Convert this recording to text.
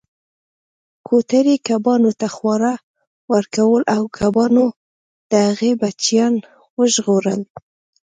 کوترې کبانو ته خواړه ورکول او کبانو د هغې بچیان وژغورل